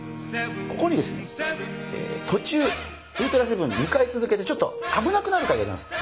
ここにですねとちゅうウルトラセブン２回続けてちょっと危なくなる回がございます。